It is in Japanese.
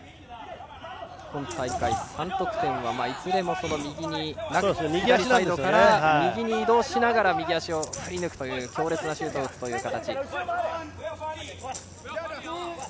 今大会３得点はいずれも左サイドから右に移動しながら右足を振り抜くという強烈なシュートを打つという形。